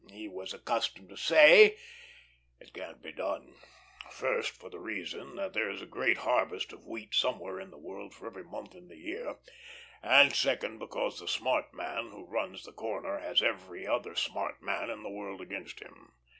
He was accustomed to say: "It can't be done; first, for the reason that there is a great harvest of wheat somewhere in the world for every month in the year; and, second, because the smart man who runs the corner has every other smart man in the world against him.